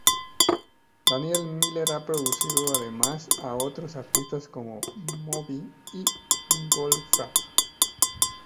Daniel Miller ha producido además a otros artistas como Moby y Goldfrapp.